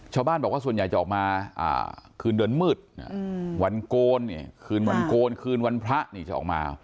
ชาวบ้านบอกว่าส่วนใหญ่จะออกมาคืนเดือนมืดวันโกนเนี่ยคืนวันโกนคืนวันพระนี่จะออกมา